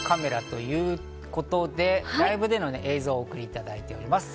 ということで、ライブでの映像をお送りいただいております。